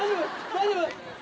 大丈夫！？